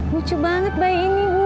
lucu banget bayi ini bu